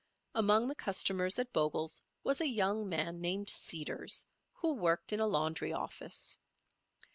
Among the customers at Bogle's was a young man named Seeders, who worked in a laundry office.